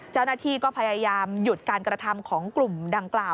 เจ้าหน้าที่ก็พยายามหยุดการกระทำของกลุ่มดังกล่าว